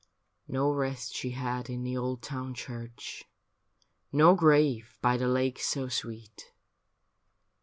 No rest she had in the old town church. No grave by the lake so sweet.